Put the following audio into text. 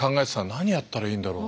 何やったらいいんだろう。